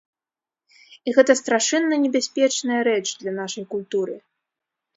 І гэта страшэнна небяспечная рэч для нашай культуры.